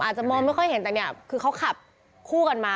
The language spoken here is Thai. อาจจะมองไม่ค่อยเห็นแต่เนี่ยคือเขาขับคู่กันมา